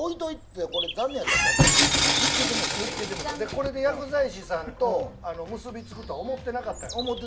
これで薬剤師さんと結びつくと思ってなかったのよ。